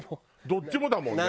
どっちもだもんね。